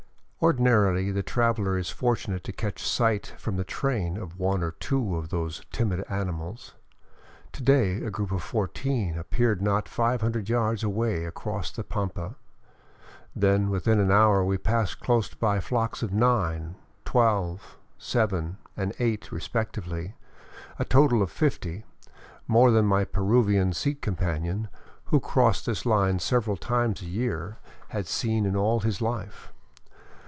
Ordinarily the traveler is fortunate to catch sight from the train of one or two of those timid animals. To day a group of fourteen ap peared not five hundred yards away across the pampa ; then within an hour we passed close by flocks of nine, twelve, seven, and eight re spectively, a total of fifty, more than my Peruvian seat companion, who crossed this line several times a year, had seen in all his life.